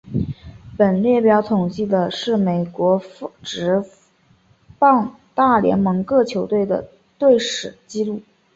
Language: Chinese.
本列表统计的是美国职棒大联盟的各球队的队史纪录。